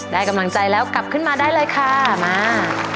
ได้กำลังใจแล้วกลับขึ้นมาได้เลยค่ะมา